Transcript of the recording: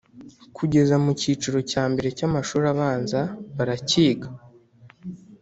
kugeza mu kiciro cya mbere cy’amashuri abanza barakiga